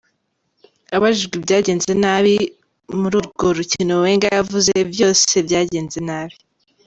Abajijwe ivyagenze nabi muri urwo rukino, Wenger yavuze "vyose vyagenze nabi".